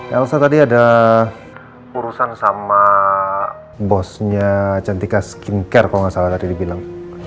elsa tadi ada urusan sama bosnya cantika skincare kalau nggak salah tadi dibilang